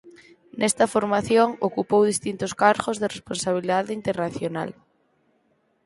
Nesta formación ocupou distintos cargos de responsabilidade internacional.